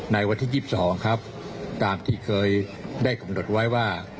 ในวันที่๒๒ครับตามที่เคยได้กำหนดไว้ว่า